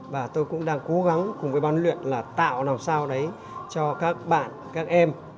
và tôi cũng đang cố gắng cùng với ban luyện là tạo làm sao đấy cho các bạn các em